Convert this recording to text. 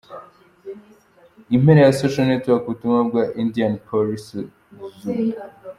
Impera ya {socialnetworck} ubutumwa bwa Indianapolis Zoo.